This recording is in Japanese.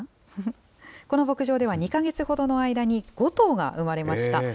この牧場では２か月ほどの間に、５頭が生まれました。